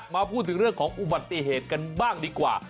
มาถึงเรื่องของอุบัติเหตุกันบ้างดีกว่า